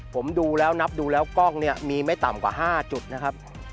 ผมดูแล้วนับดูแล้วกล้องเนี่ยมีไม่ต่ำกว่า๕จุดนะครับ